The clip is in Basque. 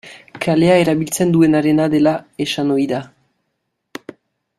Kalea erabiltzen duenarena dela esan ohi da.